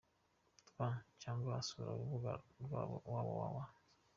rw, cyangwa agasura urubuga rwabo www.